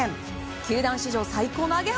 球団史上最高の上げ幅。